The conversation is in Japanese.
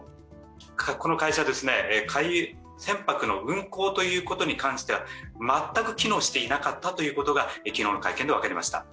この会社、船舶の運航ということに関しては全く機能していなかったということが昨日の会見で分かりました。